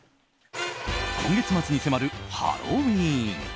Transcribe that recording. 今月末に迫るハロウィーン。